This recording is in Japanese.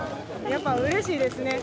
やっぱうれしいですね。